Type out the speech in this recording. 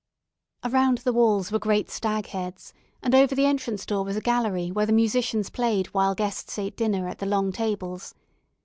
Around the walls were great stag heads, and over the entrance door was a gallery where the musicians played while guests ate dinner at the long tables.